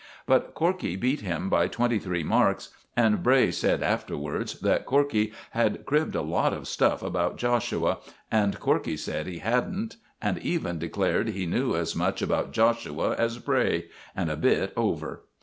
But Corkey beat him by twenty three marks; and Bray said afterwards that Corkey had cribbed a lot of stuff about Joshua, and Corkey said he hadn't, and even declared he knew as much about Joshua as Bray, and a bit over.